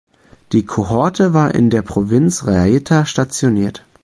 Die Kohorte war in der Provinz Raetia stationiert.